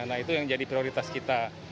nah itu yang jadi prioritas kita